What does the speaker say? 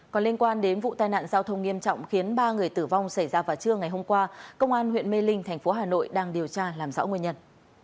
còn liên quan đến vụ tai nạn giao thông nghiêm trọng khiến ba người tử vong xảy ra vào trưa ngày hôm qua công an huyện mê linh thành phố hà nội đang điều tra làm rõ nguyên nhân